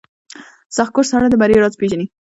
• سختکوش سړی د بریا راز پېژني.